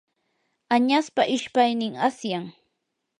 añaspa ishpaynin asyan.